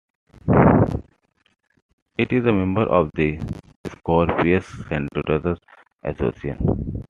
It is a member of the Scorpius-Centaurus Association.